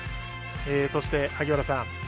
そして萩原さん。